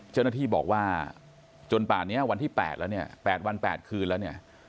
เจ้าหน้าที่บอกว่าจนป่านนี้วันที่๘แล้วเนี่ย๘วัน๘คืนแล้วเนี่ย